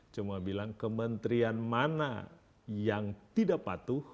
cuma bilang kementerian mana yang tidak patuh